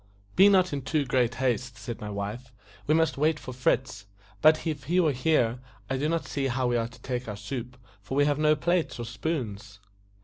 "Be not in too great haste," said my wife, "we must wait for Fritz; but if he were here, I do not see how we are to take our soup, for we have no plates nor spoons."